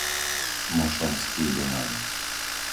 Mošonský Dunaj